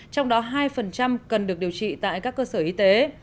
trong đó hai cần được điều trị tại các cơ sở y tế